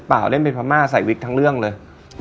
เปล่าเล่นเป็นภรรม่าใส่วิกทั้งเรื่องเลย